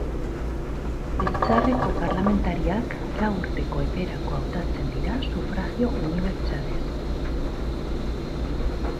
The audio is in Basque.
Biltzarreko parlamentariak lau urteko eperako hautatzen dira sufragio unibertsalez.